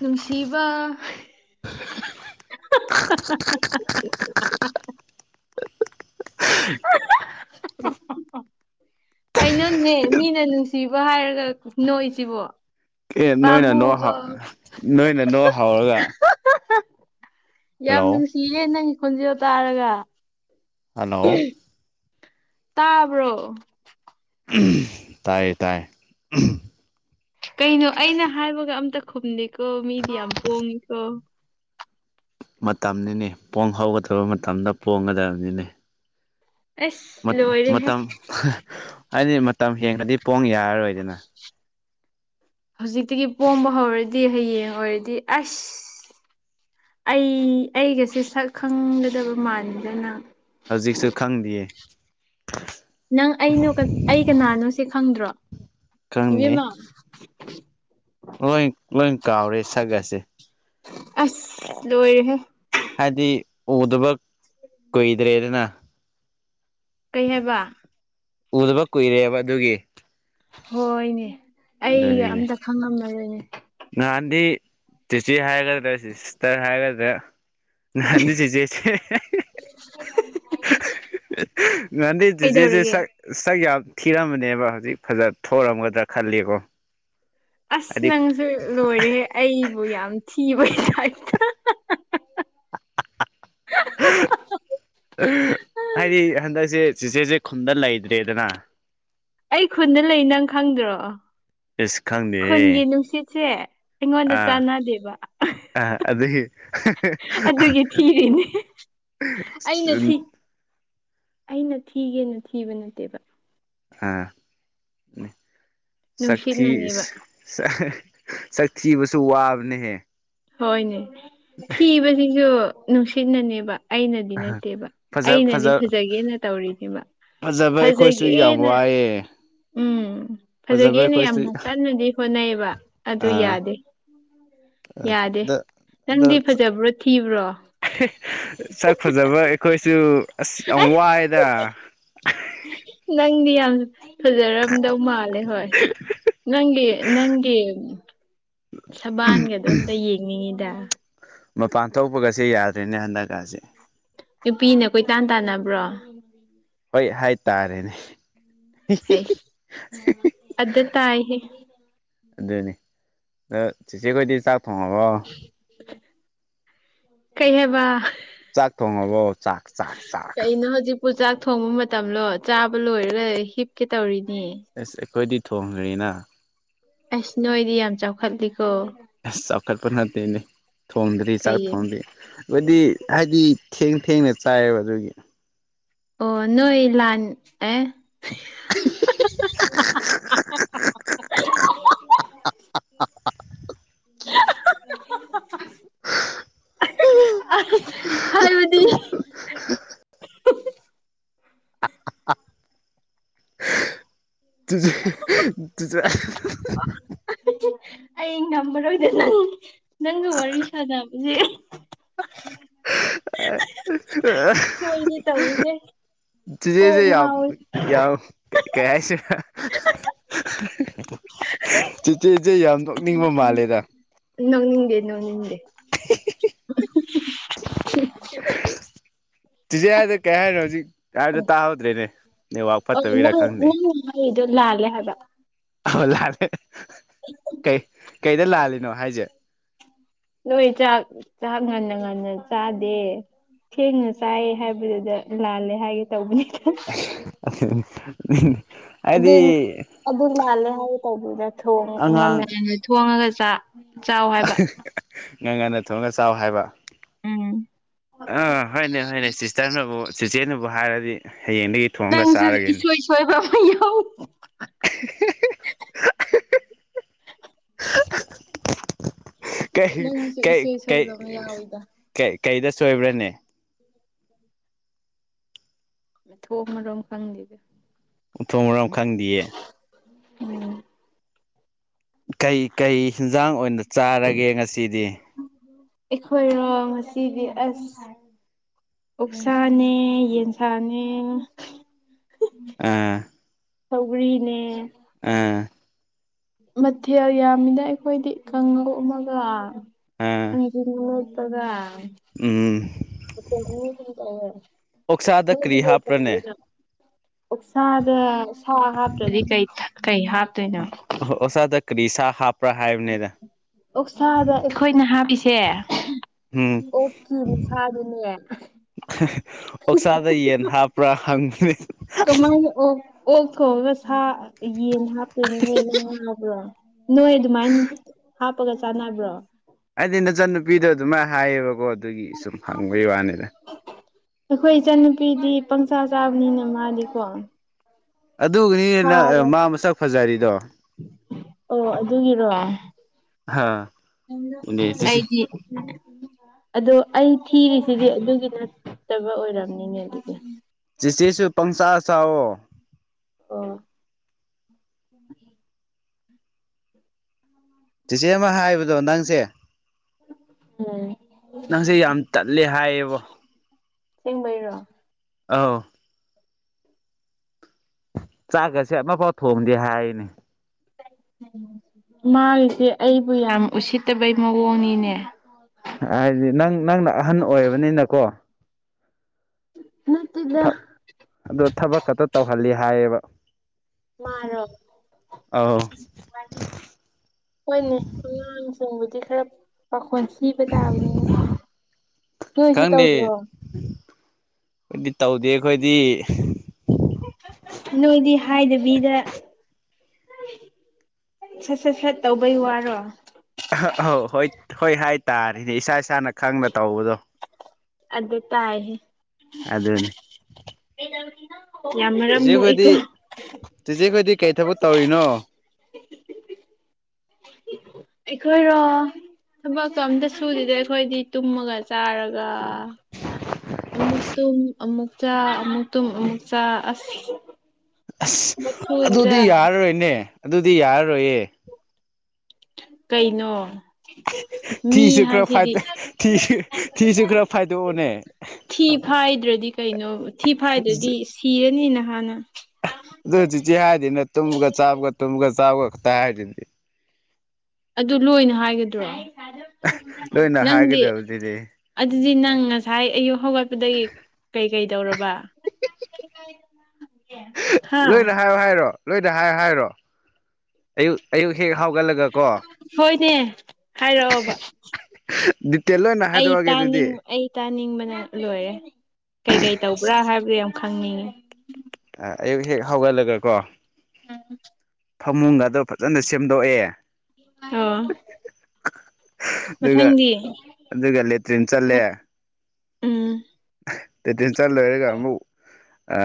ꯅꯨꯡꯁꯤꯕ ꯀꯩꯅꯣꯅꯦꯍ ꯃꯤꯅ ꯅꯨꯡꯁꯤꯕ ꯍꯥꯏꯔꯒ ꯅꯣꯏꯁꯤꯕꯣ ꯑꯦ ꯅꯣꯏꯅ ꯄꯥꯃꯨ ꯅꯣ ꯅꯣꯏꯅ ꯅꯣ ꯍꯧꯔꯒ ꯌꯥꯝ ꯍꯜꯂꯣ ꯅꯨꯡꯁꯤꯌꯦ ꯅꯪꯒꯤ ꯈꯣꯟꯖꯦꯜ ꯇꯥꯔꯒ ꯍꯜꯂꯣ ꯇꯥꯕ꯭ꯔꯣ ꯇꯥꯏꯌꯦ ꯇꯥꯏ ꯀꯩꯅꯣ ꯑꯩꯅ ꯍꯥꯏꯕꯒ ꯑꯝꯇ ꯈꯨꯝꯗꯦꯀꯣ ꯃꯤꯗꯤ ꯌꯥꯝ ꯄꯣꯡꯉꯀꯣ ꯃꯇꯝꯅꯤꯅꯦ ꯄꯣꯡ ꯍꯧꯒꯗꯕ ꯃꯇꯝꯗ ꯄꯣꯡꯒꯗꯕꯅꯤꯅꯦ ꯑꯁ ꯂꯣꯏꯔꯦꯍꯦ ꯃꯇꯝ ꯍꯥꯏꯗꯤ ꯃꯇꯝ ꯍꯦꯡꯉꯗꯤ ꯄꯣꯡ ꯌꯥꯔꯔꯣꯏꯗꯅ ꯍꯧꯖꯤꯛꯇꯒꯤ ꯄꯣꯝꯕ ꯍꯧꯔꯗꯤ ꯍꯌꯦꯡ ꯑꯣꯏꯔꯗꯤ ꯑꯁ ꯑꯩ ꯑꯩꯒꯁꯦ ꯁꯛ ꯈꯪꯒꯗꯕ ꯃꯥꯟꯗꯅ ꯍꯧꯖꯤꯛꯁꯨ ꯈꯪꯗꯌꯦ ꯅꯪ ꯑꯩꯅꯣ ꯑꯩ ꯀꯅꯥꯅꯣ ꯁꯤ ꯈꯪꯗ꯭ꯔꯣ ꯈꯪꯗꯦ ꯏꯕꯦꯝꯃ ꯂꯣꯏ ꯂꯣꯏ ꯀꯥꯎꯔꯦ ꯁꯛꯁꯦ ꯑꯁ ꯂꯣꯏꯔꯦꯍꯦ ꯍꯥꯏꯗꯤ ꯎꯗꯕ ꯀꯨꯏꯗ꯭ꯔꯦꯗꯅ ꯀꯩ ꯍꯥꯏꯕ ꯎꯗꯕ ꯀꯨꯏꯔꯦꯕ ꯑꯗꯨꯒꯤ ꯍꯣꯏꯅꯦ ꯑꯩ ꯑꯗꯨꯅꯤꯅꯦ ꯑꯝꯇ ꯈꯪꯉꯝꯅꯔꯣꯏꯅꯦ ꯅꯍꯥꯟꯗꯤ ꯇꯤꯆꯤ ꯍꯥꯏꯒꯗ꯭ꯔꯥ ꯁꯤꯁꯇꯔ ꯍꯥꯏꯒꯗ꯭ꯔꯥ ꯍꯥꯟꯗꯤꯁꯦꯁꯦꯁꯦ [inaudible] ꯉꯥꯟꯙꯤꯦꯦ ꯀꯩꯗꯧꯔꯒꯦ ꯁ ꯁꯛ ꯌꯥꯝ ꯊꯤꯔꯝꯕꯅꯦꯕ ꯍꯧꯖꯤꯛ ꯐꯖ ꯊꯔꯝꯒꯗ꯭ꯔꯥ ꯈꯜꯂꯤꯀꯣ ꯑꯁ ꯍꯥꯏꯗꯤ ꯅꯪꯁꯨ ꯂꯣꯏꯔꯦꯍꯦ ꯑꯩꯕꯨ ꯌꯥꯝ ꯊꯤꯕ ꯍꯗꯥꯛꯇ ꯍꯥꯏꯗꯤ ꯍꯟꯗꯛꯁꯦ ꯆꯦꯆꯦꯁꯦ ꯈꯨꯝꯗ ꯂꯩꯇ꯭ꯔꯦꯗꯅ ꯑꯩ ꯈꯨꯗ ꯂꯩ ꯅꯪ ꯈꯪꯗ꯭ꯔꯣ ꯏꯁ ꯈꯨꯟꯒꯤ ꯈꯪꯗꯦꯍꯦ ꯅꯨꯡꯁꯤꯠꯁꯦ ꯑꯩꯉꯣꯟꯗ ꯆꯥꯟꯅꯗꯦꯕ ꯑ ꯑꯗꯨꯗꯦ ꯑꯗꯨꯒꯤ ꯊꯤꯔꯤꯅꯦ ꯑꯩꯅ ꯊꯤ ꯑꯩꯅ ꯊꯤꯒꯦꯅ ꯊꯤꯕ ꯅꯠꯇꯦꯕ ꯑ ꯁꯛꯊ ꯅꯨꯡꯁꯤꯠꯅꯅꯦꯕ ꯆꯛꯊꯤꯕꯁꯨ ꯋꯥꯕꯅꯦꯍꯦ ꯍꯣꯏꯅꯦ ꯊꯤꯕꯁꯤꯁꯨ ꯅꯨꯡꯁꯤꯠꯅꯅꯦꯕ ꯑꯩꯅꯗꯤ ꯅꯠꯇꯦꯕ ꯐꯖ ꯑꯩꯅꯗꯤ ꯐꯖ ꯐꯖꯒꯦꯅ ꯇꯧꯔꯤꯅꯦꯕ ꯐꯖꯕ ꯑꯩꯈꯣꯏꯁꯨ ꯌꯥꯝ ꯐꯖꯒꯦꯅ ꯋꯥꯏꯑꯦ ꯎꯝ ꯐꯖꯕ ꯐꯖꯒꯦꯅ ꯌꯥꯝ ꯑꯩꯈꯣꯏꯁꯨ ꯀꯟꯅꯗꯤ ꯍꯣꯠꯅꯩꯕ ꯑꯗꯨ ꯑꯥ ꯌꯥꯗꯦ ꯌꯥꯗꯦ ꯑꯗ ꯑꯗꯣ ꯅꯪꯗꯤ ꯐꯖꯕ꯭ꯔꯣ ꯊꯤꯕ꯭ꯔꯣ ꯆꯥꯛ ꯐꯖꯕ ꯑꯩꯈꯣꯏꯁꯨ ꯑꯁ ꯌꯥꯝ ꯋꯥꯑꯦꯗ ꯉꯪꯗꯤ ꯌꯥꯝ ꯐꯖꯔꯝꯗꯧ ꯃꯥꯜꯂꯦ ꯍꯣꯏ ꯅꯪꯒꯤ ꯅꯪꯒꯤ ꯁꯕꯥꯟꯒꯗꯣ ꯑꯝꯇ ꯌꯦꯡꯅꯤꯡꯉꯤꯗ ꯃꯄꯥꯟ ꯊꯣꯛꯄꯒꯁꯦ ꯌꯥꯗ꯭ꯔꯔꯤꯅꯦ ꯍꯟꯗꯛꯀꯁꯦ ꯅꯨꯄꯤꯅ ꯀꯣꯏꯇꯥꯟ ꯇꯥꯟꯅꯕ꯭ꯔꯣ ꯍꯣꯏ ꯍꯥꯏꯇꯥꯔꯦꯅꯦ ꯍ ꯑꯗꯨꯗ ꯇꯥꯏ ꯑꯗꯨꯅꯤ ꯑꯗ ꯆꯤꯆꯦꯈꯣꯏꯗꯤ ꯆꯥꯛ ꯊꯣꯡꯉꯕꯣ ꯀꯩ ꯍꯥꯏꯕ ꯆꯥꯛ ꯊꯣꯡꯉꯕꯣ ꯆꯥꯛ ꯆꯥꯛ ꯆꯥꯛ ꯎ ꯆꯥꯛ ꯊꯣꯡꯕ ꯃꯇꯝꯂꯣ ꯆꯥꯕ ꯂꯣꯏꯔꯒ ꯍꯤꯞꯀꯦ ꯇꯧꯔꯤꯅꯤ ꯑꯦꯁ ꯑꯩꯈꯣꯏꯗꯤ ꯊꯣꯡꯈ꯭ꯔꯤꯅ ꯑꯁ ꯅꯣꯏꯗꯤ ꯌꯥꯝ ꯆꯥꯎꯈꯠꯂꯤꯀꯣ ꯑꯁ ꯆꯥꯎꯈꯠꯄ ꯅꯠꯇꯦꯅꯦ ꯊꯣꯡꯗ꯭ꯔꯤ ꯆꯥꯛ ꯀꯩꯒꯤꯅꯣ ꯊꯣꯡꯗ꯭ꯔꯤ ꯕꯗꯤ ꯍꯥꯏꯗꯤ ꯊꯦꯡ ꯊꯦꯡꯅ ꯆꯥꯏꯑꯕ ꯑꯗꯨꯒꯤ ꯑꯣ ꯅꯣꯏ ꯂꯥꯟ ꯑꯦ [unintelligible] ꯍꯥꯏꯕꯗꯤ [unintelligible] ꯑꯩ ꯉꯝꯃꯔꯣꯏꯗ ꯅꯪ ꯅꯪꯒ ꯋꯥꯔꯤ ꯁꯥꯟꯅꯕꯁꯦ ꯑ ꯍꯣꯏꯅꯤ ꯇꯕꯨ ꯍꯦ [inaudible] ꯌꯥꯎ ꯀꯩ ꯍꯥꯏꯁꯨ ꯆꯤꯆꯦꯆꯦ ꯌꯥꯝ ꯅꯣꯛꯅꯤꯡꯕ ꯃꯥꯜꯂꯦꯗ ꯅꯣꯅꯤꯡꯗꯦ ꯅꯣꯅꯤꯡꯗꯦ [inaudible] ꯆꯤꯖꯤꯦ ꯍꯥꯏꯗ ꯀꯩ ꯍꯥꯏꯅꯣ ꯍꯧꯖꯤꯛ ꯍꯥꯏꯕꯗ ꯇꯥꯍꯧꯗ꯭ꯔꯦꯅꯦ ꯅꯦꯠꯋꯥꯛ ꯑꯣ ꯐꯠꯇꯕꯤꯔꯥ ꯅꯪ ꯈꯪꯗꯦ ꯅꯪ ꯑꯩꯗꯣ ꯂꯥꯜꯂꯦ ꯍꯥꯏꯕ ꯑ ꯂꯥꯜꯂꯦ ꯀꯩ ꯀꯩꯗ ꯂꯥꯜꯂꯤꯅꯣ ꯍꯥꯏꯁꯦ ꯅꯣꯏ ꯆꯥꯛ ꯆꯥꯛ ꯉꯟꯅ ꯉꯟꯅ ꯆꯥꯗꯦ ꯊꯦꯡꯅ ꯆꯥꯏ ꯍꯥꯏꯕꯗꯨꯗ ꯂꯥꯜꯂꯦ ꯍꯥꯏꯒꯦ ꯇꯧꯕꯅꯤꯅ [inaudible] ꯑꯗꯨ ꯍꯥꯏꯗꯤ ꯑꯗꯨ ꯂꯥꯜꯂꯦ ꯍꯥꯏꯒꯦ ꯇꯧꯕꯗꯨꯗ ꯊ ꯉꯟꯅ ꯑꯉꯥꯡ ꯉꯟꯅ ꯊꯣꯡꯉꯒ ꯆꯥꯛ ꯆꯥꯎ ꯉꯪ ꯉꯟꯅ ꯊꯣꯡꯒ ꯆꯥꯎ ꯍꯥꯏꯕ ꯎꯝ ꯑꯥ ꯍꯣꯏꯅꯦ ꯍꯣꯏꯅꯦ ꯁꯤꯁꯇꯔꯅꯕꯨ ꯆꯆꯦꯅꯕꯨ ꯍꯥꯏꯔꯗꯤ ꯍꯌꯦꯡꯗꯒꯤ ꯊꯣꯡꯉꯒ ꯅꯪꯁꯨ ꯆꯥꯔꯒꯦꯅꯦ ꯏꯁꯣꯏ ꯁꯣꯏꯕ ꯑꯃ ꯌꯥꯎ [unintelligible] ꯀꯩ ꯅꯪꯁꯨ ꯀꯩ ꯏꯁꯣꯏ ꯁꯣꯏꯕ ꯑꯃ ꯌꯥꯎꯋꯤꯗ ꯀꯩ ꯀꯩꯗ ꯁꯣꯏꯕ꯭ꯔꯅꯦ ꯊꯣꯛꯃꯔꯣꯝ ꯈꯪꯗꯦꯗ ꯃꯊꯣꯡ ꯃꯔꯝ ꯈꯪꯗꯤꯌꯦ ꯎꯝ ꯀꯩ ꯀꯩ ꯍꯟꯖꯥꯡ ꯑꯣꯏꯅ ꯆꯥꯔꯒꯦ ꯉꯁꯤꯗꯤ ꯑꯩꯈꯣꯏꯔꯣ ꯉꯁꯤꯗꯤ ꯑꯁ ꯑꯣꯛꯁꯥꯅꯦ ꯌꯦꯟꯁꯥꯅꯦ ꯑꯥ ꯁꯧꯒꯔꯤꯅꯦ ꯑꯥ ꯃꯊꯦꯜ ꯌꯥꯝꯃꯤꯅ ꯑꯩꯈꯣꯏꯗꯤ ꯀꯥꯡꯒꯧ ꯑꯃꯒ ꯑꯥ ꯊꯥꯡꯖꯤꯡ ꯃꯦꯠꯄꯒ ꯎꯝ [unintelligible] ꯑꯣꯛꯁꯥꯗ ꯀꯔꯤ ꯍꯥꯞꯄ꯭ꯔꯅꯦ ꯑꯣꯛꯁꯥꯗ ꯁꯥ ꯍꯥꯞꯇ꯭ꯔꯗꯤ ꯀꯩ ꯍꯥꯞꯇꯣꯏꯅꯣ ꯑꯣꯛꯁꯥꯗ ꯀꯔꯤ ꯁꯥ ꯍꯥꯞ ꯑꯣꯛꯁꯥꯗ ꯑꯩꯈꯣꯏꯅ ꯍꯥꯞꯄꯤꯁꯦ ꯎꯝ ꯑꯣꯛꯀꯤ ꯃꯁꯥꯗꯨꯅꯤ ꯑꯣꯛꯁꯥꯗ ꯌꯦꯟ ꯍꯥꯞꯄ꯭ꯔꯥ ꯍꯪꯈꯤꯅꯦ ꯀꯃꯥꯏꯅ ꯑꯣꯛ ꯑꯣꯛ ꯊꯣꯡꯔꯒ ꯁꯥ ꯌꯦꯟ ꯍꯥꯞꯇꯣꯏꯅꯣ ꯍꯦ ꯅꯪ ꯉꯥꯎꯕ꯭ꯔꯣ ꯅꯣꯏ ꯑꯗꯨꯃꯥꯏꯅ ꯍꯥꯞꯄꯒ ꯆꯥꯟꯅꯕ꯭ꯔꯣ ꯍꯥꯏꯗꯤ ꯅꯆꯟꯅꯨꯄꯤꯗꯣ ꯑꯗꯨꯃꯥꯏꯅ ꯍꯥꯏꯌꯦꯕꯀꯣ ꯑꯗꯨꯒꯤ ꯁꯨꯝ ꯍꯪꯕꯒꯤ ꯋꯥꯅꯤꯗ ꯑꯩꯈꯣꯏ ꯏꯆꯟꯅꯨꯄꯤꯗꯤ ꯄꯪꯆꯥ ꯆꯥꯕꯅꯤꯅ ꯃꯥꯜꯂꯤꯀꯣ ꯑꯗꯨꯒꯤꯅꯤꯅꯦ ꯃꯥ ꯃꯁꯛ ꯐꯖꯔꯤꯗꯣ ꯑꯣ ꯑꯗꯨꯒꯤꯔꯣ ꯍꯥ ꯏꯅꯦ ꯆꯤꯆꯦ ꯑꯩꯗꯤ ꯑꯗꯣ ꯑꯩ ꯊꯤꯔꯤꯁꯤꯗꯤ ꯑꯗꯨꯒꯤ ꯅꯠꯇꯕ ꯑꯣꯏꯔꯝꯅꯤꯅꯦ ꯑꯗꯨꯗꯤ ꯆꯤꯆꯦꯁꯨ ꯄꯪꯆꯥ ꯆꯥꯋꯣ ꯑꯥ ꯆꯦꯆꯦ ꯑꯃ ꯍꯥꯏꯕꯗꯣ ꯅꯪꯁꯦ ꯎꯝ ꯅꯪꯁꯦ ꯌꯥꯝ ꯇꯜꯂꯦ ꯍꯥꯏꯌꯦꯕꯣ ꯁꯦꯡꯕꯩꯔꯣ ꯑꯥꯎ ꯆꯥꯛꯀꯥꯁꯦ ꯑꯃꯐꯥꯎ ꯊꯣꯡꯝꯗꯦ ꯍꯥꯏꯅꯤ ꯃꯥꯒꯤꯁꯦ ꯑꯩꯕꯨ ꯌꯥꯝ ꯎꯁꯤꯠꯇꯕꯩ ꯃꯑꯣꯡꯅꯤꯅꯦ ꯍꯥꯏꯗꯤ ꯅꯪ ꯅꯪꯅ ꯑꯍꯟ ꯑꯣꯏꯔꯕꯅꯤꯅꯀꯣ ꯅꯠꯇꯦꯗ ꯊꯥ ꯑꯗꯣ ꯊꯕꯛ ꯈꯛꯇ ꯇꯧꯍꯜꯂꯤ ꯍꯥꯏꯌꯦꯕ ꯃꯥꯔꯣ ꯑꯧ ꯍꯣꯏꯅꯦ ꯑꯉꯥꯡꯁꯤꯡꯕꯨꯗꯤ ꯈꯔ ꯄꯥꯈꯣꯟ ꯁꯤꯕ ꯇꯥꯕꯅꯦ ꯅꯣꯏꯁꯨ ꯇꯧꯗ꯭ꯔꯣ ꯗꯤ ꯇꯧꯗꯦ ꯑꯩꯈꯣꯏꯗꯤ ꯅꯣꯏꯗꯤ ꯍꯥꯏꯗꯕꯤꯗ ꯁꯠ ꯁꯠ ꯁꯠ ꯇꯧꯕꯩ ꯋꯥꯔꯣ ꯑꯥ ꯑꯥꯎ ꯍꯣꯏ ꯍꯣꯏ ꯍꯥꯏꯇꯥꯥꯔꯦꯅꯦ ꯏꯁꯥ ꯏꯁꯥꯅ ꯈꯪꯅ ꯇꯧꯕꯗꯣ ꯑꯗ ꯇꯥꯏꯍꯦ ꯑꯗꯨꯅꯤ ꯀꯩꯗꯧꯔꯤꯅꯣ ꯆꯦꯆꯦꯈꯣꯏꯗꯤ ꯆꯦꯆꯦꯈꯣꯏꯗꯤ ꯀꯩ ꯊꯕꯛ ꯇꯧꯔꯤꯅꯣ ꯑꯩꯈꯣꯏꯔꯣ ꯊꯕꯛꯇꯣ ꯑꯝꯇ ꯁꯨꯗꯦꯗ ꯑꯩꯈꯣꯏꯗꯤ ꯇꯨꯝꯃꯒ ꯆꯥꯔꯒ ꯑꯃꯨꯛ ꯇ ꯑꯃꯨꯛ ꯆ ꯑꯃꯨꯛ ꯇ ꯑꯃꯨꯛ ꯆ ꯑꯁ ꯑꯁ ꯊꯕꯛ ꯁꯨꯗꯦꯗ ꯑꯗꯨꯗꯤ ꯌꯥꯔꯔꯣꯏꯅꯦ ꯑꯗꯨꯗꯤ ꯌꯥꯔꯔꯣꯏꯌꯦ ꯀꯩꯅꯣ ꯃꯤ ꯊꯤꯁꯨ ꯍꯥꯏꯁꯤꯗꯤ ꯈꯔꯤ ꯊꯤꯁꯨ ꯈꯔ ꯐꯥꯏꯗꯣꯛꯑꯣꯅꯦ ꯊꯤ ꯐꯥꯏꯗ꯭ꯔꯗꯤ ꯀꯩꯅꯣ ꯊꯤ ꯐꯥꯏꯗ꯭ꯔꯗꯤ ꯁꯤꯔꯅꯤꯅ ꯍꯥꯟꯅ ꯑꯗꯨ ꯆꯤꯆꯤ ꯍꯥꯏꯗꯤꯅ ꯇꯨꯝꯒ ꯆꯥꯕꯒ ꯇꯨꯝꯒ ꯆꯥꯕꯒ ꯈꯛꯇ ꯍꯥꯏꯗꯨꯗꯤ ꯑꯗꯨ ꯂꯣꯏꯅ ꯍꯥꯏꯒꯗ꯭ꯔꯣ ꯂꯣꯏꯅ ꯅꯪꯗꯤ ꯍꯥꯏꯒꯗꯕꯗꯨꯗꯤ ꯑꯗꯨꯗꯤ ꯅꯪ ꯉꯁꯥꯏ ꯑꯌꯨꯛ ꯍꯧꯒꯠꯄꯗꯒꯤ ꯀꯩꯀꯩ ꯇꯧꯔꯕ ꯀꯥꯏꯗ ꯂꯣꯏꯅ ꯍꯥꯏꯌꯣ ꯍꯥꯏꯔꯣ ꯂꯣꯏꯅ ꯍꯥꯏꯌꯣ ꯍꯥꯏꯔꯣ ꯑꯌꯨꯛ ꯑꯌꯨꯛ ꯍꯦꯛ ꯍꯥꯎꯒꯠꯂꯒꯀꯣ ꯍꯣꯏꯅꯦ ꯍꯥꯏꯔꯛꯑꯣꯕ [unintelligible] ꯑꯩ ꯍꯥꯏꯗꯣꯛꯑꯒꯦ ꯑꯗꯨꯗꯤ ꯇꯥꯅꯤꯡꯕ ꯑꯩ ꯇꯥꯅꯤꯡꯕꯅ ꯂꯣꯏꯔꯦ ꯀꯩꯀꯩ ꯇꯧꯕ꯭ꯔꯥ ꯍꯥꯏꯕꯗꯨ ꯈꯪꯉ ꯑꯌꯨꯛ ꯍꯦꯛ ꯍꯧꯒꯠꯂꯒ ꯀꯣ ꯎꯝ ꯐꯃꯨꯡ ꯑꯗ ꯐꯖꯅ ꯁꯦꯝꯗꯣꯛꯑꯦ ꯑ ꯑꯗꯨꯒ ꯑꯗꯨꯒ ꯂꯦꯇ꯭ꯔꯤꯟ ꯆꯠꯂꯦ ꯎꯝ ꯇꯇꯤꯟ ꯆꯜ ꯂꯣꯏꯔꯒ ꯑꯃꯨꯛ ꯑ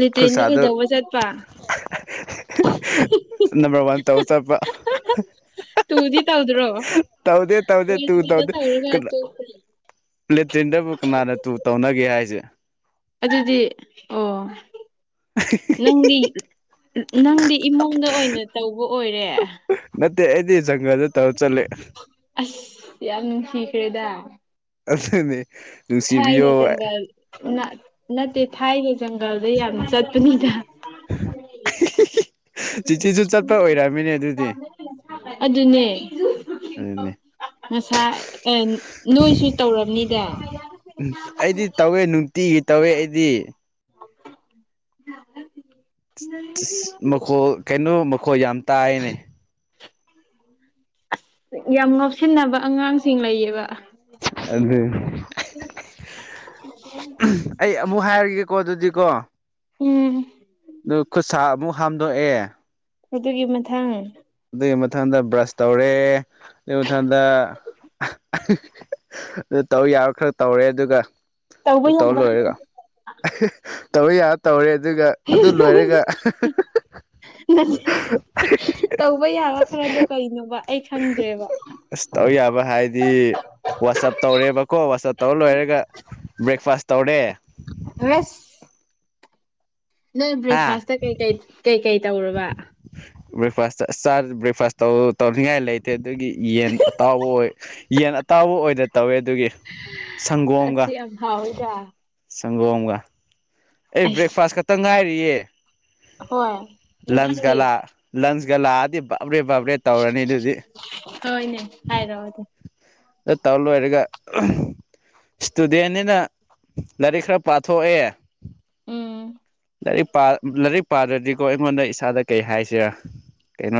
ꯂꯤꯇ꯭ꯔꯔꯤꯟꯗ ꯀꯩꯗꯧꯕ ꯆꯠꯄ ꯅꯝꯕꯔ ꯋꯥꯟ ꯇꯧꯕ ꯆꯠꯄ ꯇꯨꯗꯤ ꯇꯧꯗ꯭ꯔꯣ ꯇꯧꯗꯦ ꯇꯧꯗꯦ ꯇꯨ ꯋꯦꯟꯒꯤꯗ ꯇꯧꯗꯦ ꯇꯧꯔꯒ ꯀꯅꯥ ꯇꯣꯛꯈ꯭ꯔꯦ ꯄ꯭ꯂꯦꯇꯤꯟꯗꯕꯨ ꯀꯅꯥꯅ ꯇꯨ ꯇꯧꯅꯒꯦ ꯍꯥꯏꯁꯦ ꯑꯗꯨꯗꯤ ꯑꯣ ꯅꯪꯗꯤ ꯅꯪꯗꯤ ꯏꯃꯨꯡꯗ ꯑꯣꯏꯅ ꯇꯧꯕ ꯑꯣꯏꯔꯦ ꯃꯦ ꯑꯗꯨꯗꯦ ꯁꯒ ꯑꯗꯨ ꯇꯧ ꯆꯂꯦ ꯑꯁ ꯌꯥꯝ ꯅꯨꯡꯁꯤꯈ꯭ꯔꯦꯗ ꯑꯗꯨꯅꯦ ꯊꯥꯏꯅ ꯅꯨꯡꯁꯤꯕꯤꯌꯣ ꯖꯪꯒꯜ ꯅꯠꯇꯦ ꯊꯥꯏꯅꯦ ꯖꯪꯒꯜꯗ ꯌꯥꯝ ꯆꯠꯄꯅꯤꯗ [inaudible] ꯆꯤꯆꯤꯁꯨ ꯆꯠꯄ ꯑꯣꯏꯔꯝꯃꯤꯅꯦ ꯑꯗꯨꯗꯤ ꯑꯗꯨꯅꯦ ꯑꯗꯨꯅꯤ ꯉꯁꯥꯏ ꯑꯦ ꯅꯣꯏꯁꯨ ꯇꯧꯔꯕꯅꯤꯗ ꯎ ꯑꯩꯗꯤ ꯇꯧꯋꯦ ꯅꯨꯡꯇꯤꯒꯤ ꯇꯧꯋꯦ ꯑꯩꯗꯤ ꯃꯈꯣꯜ ꯀꯩꯅꯣ ꯃꯈꯣꯜ ꯌꯥꯝ ꯇꯥꯏꯅꯦ ꯑꯁ ꯌꯥꯝ ꯉꯧꯁꯤꯟꯅꯕ ꯑꯉꯥꯡꯁꯤꯡ ꯂꯩꯌꯦꯕ ꯑꯗꯨ ꯑꯩ ꯑꯃꯨꯛ ꯍꯥꯏꯔꯒꯦꯀꯣ ꯑꯗꯨꯗꯤꯀꯣ ꯎꯝ ꯑꯗꯨ ꯈꯨꯠꯁꯥ ꯑꯃꯨꯛ ꯍꯥꯝꯗꯣꯛꯑꯦ ꯑꯗꯨꯒꯤ ꯃꯊꯪ ꯑꯗꯨꯒꯤ ꯃꯊꯪꯗ ꯕ꯭ꯔꯁ ꯇꯧꯔꯦ ꯑꯗꯨꯒꯤ ꯃꯊꯪꯗ ꯑꯗꯨ ꯇꯧ ꯌꯥꯔ ꯈꯔ ꯇꯧꯔꯦ ꯑꯗꯨꯒ ꯇꯧꯕ ꯑꯗꯨ ꯇꯧꯔ ꯌꯥꯕ ꯂꯣꯏꯔꯦꯒ ꯇꯧꯕ ꯌꯥ ꯇꯧꯔꯦ ꯑꯗꯨꯒ ꯑꯗꯨ ꯂꯣꯏꯔꯒ ꯅꯠꯇ ꯇꯧꯕ ꯌꯥꯕ ꯈꯔꯗꯣ ꯀꯩꯅꯣꯕ ꯑꯩ ꯈꯪꯗ꯭ꯔꯦꯕ ꯑꯁ ꯇꯧ ꯌꯥꯕ ꯍꯥꯏꯗꯤ ꯋꯥꯆꯞ ꯇꯧꯔꯦꯕꯀꯣ ꯋꯥꯆꯞ ꯇꯧꯔ ꯂꯣꯏꯔꯒ ꯕ꯭ꯔꯦꯛꯐꯥꯁ ꯇꯧꯔꯦ ꯁ ꯅꯣꯏ ꯍꯥ ꯕ꯭ꯔꯦꯛꯐꯥꯁꯇ ꯀꯩꯀꯩ ꯀꯩꯀꯩ ꯇꯧꯔꯕ ꯭ꯔꯦꯛꯐꯥꯁ ꯆ ꯕ꯭ꯔꯦꯛꯐꯥꯁ ꯇꯧ ꯇꯧꯅꯤꯡꯉꯥꯏ ꯂꯩ ꯐꯠꯇꯦ ꯑꯗꯨꯒꯤ ꯌꯦꯟ ꯑꯇꯥꯎꯕ ꯑꯣꯏ ꯌꯦꯟ ꯑꯇꯥꯎꯕ ꯑꯣꯏꯅꯗ ꯇꯧꯋꯦ ꯑꯗꯨꯒꯤ ꯁꯪꯒꯣꯝꯒ ꯑꯁꯤ ꯌꯥꯝ ꯍꯥꯎꯋꯤꯗ ꯁꯪꯒꯣꯝꯒ ꯑꯩ ꯑꯩꯁ ꯕ꯭ꯔꯦꯛꯐꯥꯁ ꯈꯛꯇ ꯉꯥꯏꯔꯤꯌꯦ ꯍꯣꯏ ꯂꯟꯁꯀ ꯃꯊꯪꯗꯤ ꯂꯥ ꯂꯟꯁ ꯒꯂꯥꯗꯤꯕ ꯍꯣꯏꯅꯦ ꯍꯥꯏꯥꯏꯔꯣꯗ ꯑ ꯇꯥꯎꯂ ꯍꯔꯒ ꯏꯁꯇꯨꯗꯦꯅꯤꯅ ꯂꯥꯏꯔꯤꯛ ꯈꯔ ꯄꯥꯊꯣꯛꯑꯦ ꯎꯝ ꯂꯥꯏꯔꯤꯛ ꯂꯥꯏꯔꯤꯛ ꯄꯥꯗ꯭ꯔꯗꯤꯀꯣ ꯑꯩꯉꯣꯟꯗ ꯏꯁꯥꯗ ꯀꯩ ꯍꯥꯏꯁꯦꯔꯥ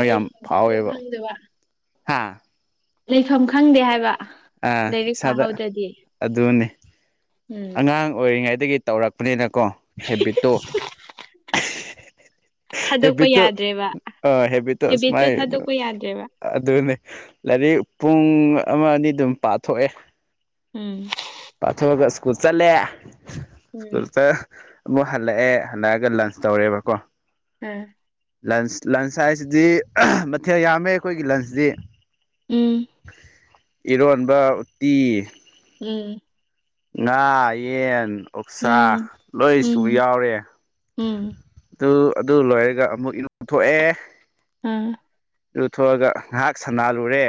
ꯂꯩꯐꯝꯁ ꯈꯪꯗꯕ ꯍꯥꯥ ꯂꯩꯐꯝ ꯈꯪꯗꯦ ꯍꯥꯏꯕ ꯑ ꯂꯥꯏꯔꯤꯛ ꯏꯁꯥꯗ ꯄꯥꯍꯧꯗ꯭ꯔꯗꯤ ꯑꯗꯨꯅꯦ ꯎꯝ ꯑꯉꯥꯡ ꯑꯣꯏꯔꯤꯉꯩꯗꯒꯤ ꯇꯧꯔꯛꯄꯅꯤꯅꯀꯣ ꯍꯦꯕꯤꯠꯇꯣ ꯍꯦꯕꯤ ꯊꯥꯗꯣꯛꯄ ꯇꯣ ꯌꯥꯗ꯭ꯔꯦꯕ ꯑ ꯍꯦꯕꯤ ꯇ ꯍꯦꯕꯤꯠꯇꯨ ꯁꯃꯥꯏ ꯑꯗꯨ ꯊꯥꯗꯣꯛꯄ ꯌꯥꯗ꯭ꯔꯦꯕ ꯑꯗꯨꯅꯤ ꯂꯥꯏꯔꯤꯛ ꯄꯨꯡ ꯑꯃ ꯑꯅꯤ ꯑꯗꯨꯝ ꯄꯥꯊꯣꯛꯑꯦ ꯎꯝ ꯄꯥꯊꯣꯛꯑꯒ ꯁ꯭ꯀꯨꯜ ꯆꯠꯂꯦ ꯁ꯭ꯀꯨꯜ ꯎꯝ ꯑꯃꯛ ꯍꯜꯂꯛꯑꯦ ꯍꯜꯂꯛꯑꯒ ꯂꯟꯁ ꯇꯧꯔꯦꯕꯀꯣ ꯎꯝ ꯂꯟꯁ ꯂꯟꯁ ꯍꯥꯏꯁꯤꯗꯤ ꯃꯊꯦꯜ ꯌꯥꯝꯃꯦ ꯑꯩꯈꯣꯏꯒꯤ ꯂꯟꯁꯇꯤ ꯎꯝ ꯏꯔꯣꯟꯕ ꯎꯇꯤ ꯎꯝ ꯉꯥ ꯌꯦꯟ ꯑꯣꯛꯁꯥ ꯎꯝ ꯂꯣꯏꯁꯨ ꯎꯝ ꯌꯥꯎꯔꯦ ꯎꯝ ꯑꯗꯨ ꯑꯗꯨ ꯂꯣꯏꯔꯒ ꯑꯃꯨꯛ ꯏꯅꯧ ꯊꯣꯛꯣꯛꯑꯦ ꯎꯝ ꯂꯨꯊꯣꯛꯑꯒ ꯉꯥꯏꯍꯥꯛ ꯁꯟꯅꯥꯜꯂꯨꯔꯦ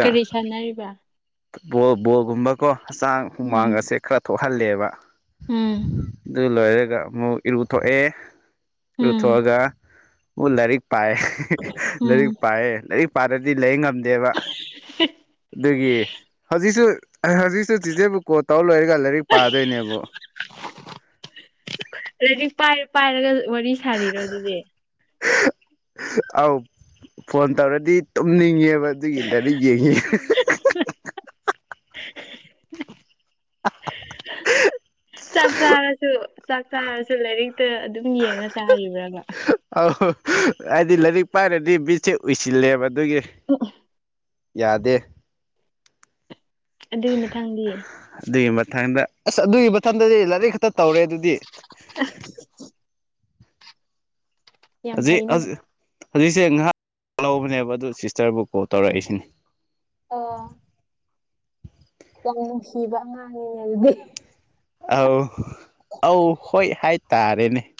ꯀꯔꯤ ꯁꯥꯟꯅꯔꯤꯕ ꯕꯣꯜ ꯕꯣꯜꯒꯨꯝꯕꯀꯣ ꯍꯛꯆꯥꯡ ꯍꯨꯃꯥꯡ ꯎꯝ ꯑꯁꯦ ꯈꯔ ꯊꯣꯛꯍꯜꯂꯦꯕ ꯎꯝ ꯑꯗꯨ ꯂꯣꯏꯔꯒ ꯑꯃꯨꯛ ꯏꯔꯨꯊꯣꯛꯑꯦ ꯎꯝ ꯏꯔꯨꯊꯣꯛꯑꯒ ꯃꯨꯛ ꯂꯥꯏꯔꯤꯛ ꯄꯥꯏꯌꯦ [unintelligible] ꯂꯥꯏꯔꯤꯛ ꯎꯝ ꯄꯥꯏꯌꯦ ꯂꯥꯏꯔꯤꯛ ꯄꯥꯗ꯭ꯔꯗꯤ ꯂꯩ ꯉꯝ ꯉꯝꯗꯦꯕ ꯑꯗꯨꯒꯤ ꯍꯧꯖꯤꯛꯁꯨ ꯍꯧꯖꯤꯛꯁꯨ ꯆꯦꯆꯦꯕꯨ ꯀꯣꯜ ꯇꯧꯔ ꯂꯣꯏꯔꯒ ꯂꯥꯏꯔꯤꯛ ꯄꯥꯗꯣꯏꯅꯦꯕ ꯑꯗꯨꯗꯤ ꯄꯥꯏꯔ ꯄꯥꯏꯔꯒ ꯋꯥꯔꯤ ꯁꯥꯔꯤꯔꯣ ꯑꯗꯨꯗꯤ [unintelligible] ꯑꯧ ꯐꯣꯟ ꯇꯧꯔꯗꯤ ꯇꯨꯝꯅꯤꯡꯉꯦꯕ ꯑꯗꯨꯒꯤ ꯂꯥꯏꯔꯤꯛ ꯌꯦꯡꯉꯤ [unintelligible] [unintelligible] ꯆꯥꯛ ꯆꯥꯔꯁꯨ ꯆꯥꯛ ꯆꯥꯔꯁꯨ ꯂꯥꯏꯔꯤꯛꯇ ꯑꯗꯨꯝ ꯌꯦꯡꯉ ꯆꯥꯔꯤꯕ꯭ꯔꯕ [unintelligible] ꯍꯥꯏꯗꯤ ꯂꯥꯏꯔꯤꯛ ꯄꯥꯏꯔꯗꯤ ꯃꯤꯠꯁꯦ ꯎꯏꯁꯤꯜꯂꯦꯕ ꯑꯗꯨꯒꯤ [unintelligible] ꯌꯥꯗꯦ ꯑꯗꯨꯒꯤ ꯃꯊꯪꯗꯤ ꯑꯗꯨꯒꯤ ꯃꯊꯪꯗ ꯑꯁ ꯑꯗꯨꯒꯤ ꯃꯊꯪꯗꯗꯤ ꯂꯥꯏꯔꯤꯛ ꯈꯛꯇ ꯇꯧꯔꯦ ꯑꯗꯨꯗꯤ [unintelligible] ꯍꯧꯖꯤꯛ ꯍꯧꯖꯤꯛꯁꯦ ꯉꯥꯏꯍꯥꯛ ꯂꯧꯕꯅꯦꯕ ꯑꯗꯨ ꯁꯤꯁꯇꯔꯕꯨ ꯀꯣꯜ ꯇꯧꯔꯛꯏꯁꯤꯅꯤ ꯑꯣ ꯌꯥꯝ ꯅꯨꯡꯁꯤꯕ ꯑꯉꯥꯡꯅꯤꯅꯦ ꯑꯗꯨꯗꯤ ꯑꯧ ꯑꯧ ꯍꯣꯏ ꯍꯥꯏꯇꯥꯔꯦꯅꯦ